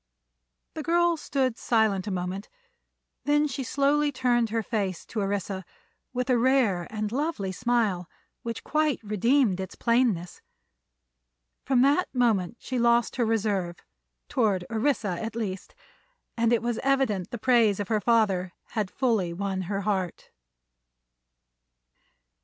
The girl stood silent a moment; then she slowly turned her face to Orissa with a rare and lovely smile which quite redeemed its plainness. From that moment she lost her reserve, toward Orissa at least, and it was evident the praise of her father had fully won her heart.